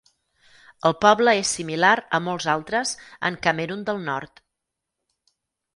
El poble és similar a molts altres en Camerun del nord.